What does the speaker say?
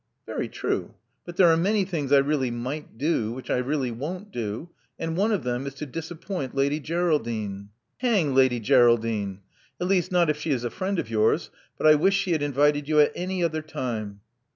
"Very true. But there are many things I really might do, which I really won't do. And one of them is to disappoint Lady Geraldine." "Hang Lady Geraldine. At least, not if she is a friend of yoiirs but I wish she had invited you at any other time."